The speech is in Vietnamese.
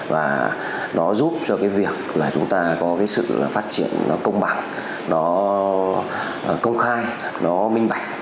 và nó giúp cho việc chúng ta có sự phát triển công bằng công khai minh bạch